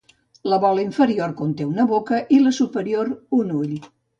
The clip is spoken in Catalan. La bola inferior conté una boca, i la superior un ull.